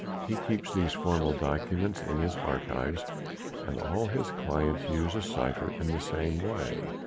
He keeps these formal documents in his archives and all his clients use a cypher in the same way."